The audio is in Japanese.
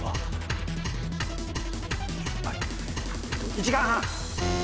１時間半。